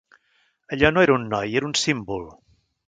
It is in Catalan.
Allò no era un noi, era un símbol